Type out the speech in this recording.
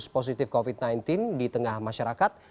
kasus positif covid sembilan belas di tengah masyarakat